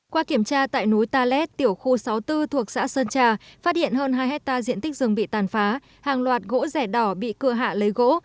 qua kiểm tra tại núi ta lét tiểu khu sáu mươi bốn thuộc xã sơn trà phát hiện hơn hai hectare diện tích rừng bị tàn phá hàng loạt gỗ rẻ đỏ bị cưa hạ lấy gỗ